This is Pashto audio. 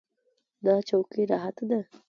دا چوکۍ راحته ده.